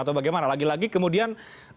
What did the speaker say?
atau bagaimana lagi lagi kemudian